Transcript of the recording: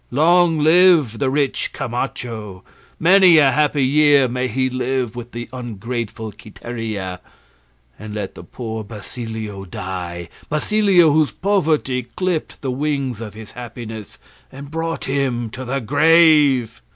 Long live the rich Camacho! many a happy year may he live with the ungrateful Quiteria! and let the poor Basilio die, Basilio whose poverty clipped the wings of his happiness, and brought him to the grave!"